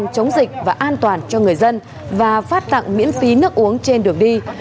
chống dịch và an toàn cho người dân và phát tặng miễn phí nước uống trên đường đi